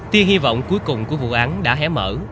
ti hy vọng cuối cùng của vụ án đã hé mở